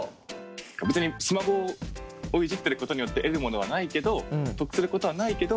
別にスマホをいじってることによって得るものはないけど得することはないけど